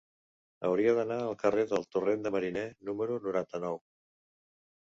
Hauria d'anar al carrer del Torrent de Mariner número noranta-nou.